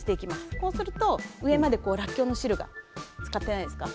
こうすると上まで、らっきょうの汁が漬かっていませんか。